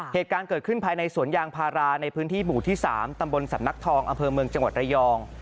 เหตุการณ์เกิดขึ้นภายในสวนยางพาราในพื้นที่หมู่ที่๓ตำบลสำนักทองอำเภอเมืองจังหวัดระยอง